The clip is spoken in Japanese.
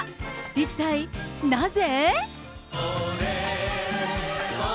一体なぜ？